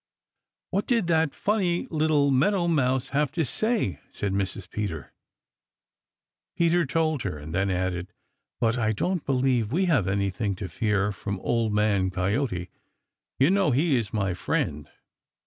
"What did that funny little Meadow Mouse have to say?" asked Mrs. Peter. Peter told her and then added, "But I don't believe we have anything to fear from Old Man Coyote. You know he is my friend."